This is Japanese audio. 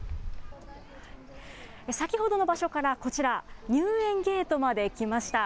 先ほどの場所からこちら、入園ゲートまで来ました。